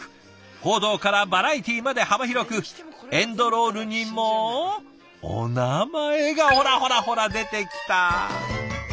報道からバラエティーまで幅広くエンドロールにもお名前がほらほらほら出てきた。